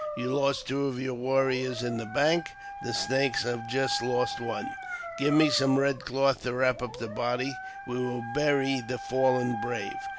You lost two of your warriors in the bank, the Snakes have just lost one. Give me some red cloth to wrap up the body. We will bury the fallen brave."